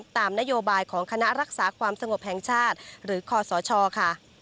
ตามนโยบายของคณะรักษาความสงบแห่งชาติหรือคศค่ะ